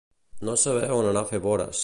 No saber on anar a fer vores.